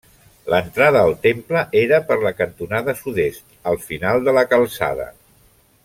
L'entrada al temple era per la cantonada sud-est, al final de la calçada.